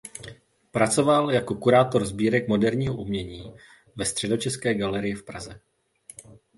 Pracoval jako kurátor sbírek moderního umění ve Středočeské galerii v Praze.